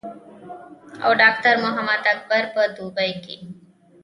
او ډاکټر محمد اکبر پۀ دوبۍ کښې